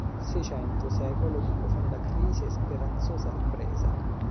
Il Seicento, Secolo di profonda crisi e speranzosa ripresa.